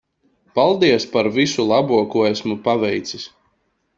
Paldies par visu labo ko esmu paveicis.